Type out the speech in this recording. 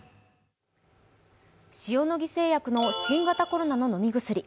塩野義製薬の新型コロナの飲み薬。